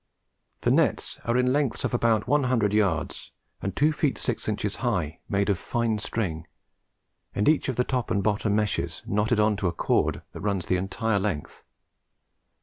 The nets are in lengths of about one hundred yards, and two feet six inches high, made of fine string, and each of the top and bottom meshes knotted on to a cord that runs the entire length.